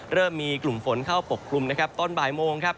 เริ่มมีกลุ่มฝนเข้าปกปรุงตอนบ่ายโมง